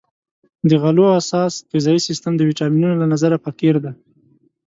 د غلو اساس غذایي سیستم د ویټامینونو له نظره فقیر دی.